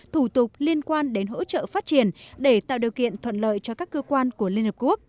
thủ tục liên quan đến hỗ trợ phát triển để tạo điều kiện thuận lợi cho các cơ quan của liên hợp quốc